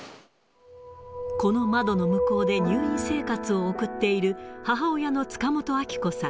この窓の向こうで入院生活を送っている母親の塚本明子さん